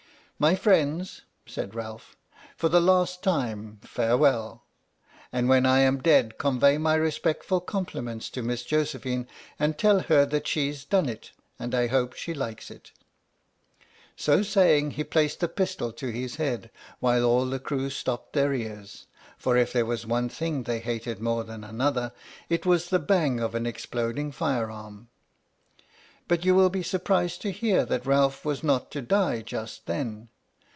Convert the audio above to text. " My friends," said Ralph, " for the last time, farewell! And when I am dead convey my respect ful compliments to Miss Josephine and tell her that she 's done it and I hope she likes it." So saying, he placed the pistol to his head while all the crew stopped their ears, for if there was one thing they hated more than another, it was the bang of an exploding fire arm. But you will be surprised to hear that Ralph was not to die just then.